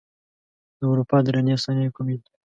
د اروپا درنې صنایع کومې دي؟